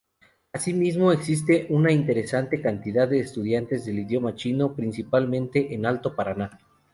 Asimismo, existe una interesante cantidad de estudiantes del idioma chino, principalmente en Alto Paraná.